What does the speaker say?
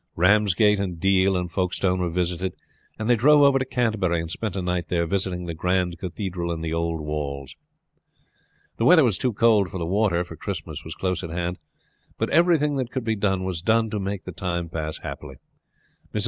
Ramsgate and Deal and Folkestone were visited, and they drove over to Canterbury and spent a night there visiting the grand cathedral and the old walls. The weather was too cold for the water, for Christmas was close at hand; but everything that could be done was done to make the time pass happily. Mrs.